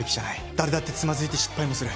誰だってつまづいて失敗もする。